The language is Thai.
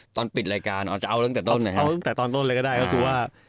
ตอนปิดรายการอ๋อจะเอาตั้งแต่ต้นนะครับเอาตั้งแต่ตอนต้นเลยก็ได้ก็คือว่า